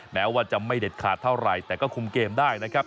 แม้ว่าจะไม่เด็ดขาดเท่าไหร่แต่ก็คุมเกมได้นะครับ